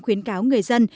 khuyến cáo người dân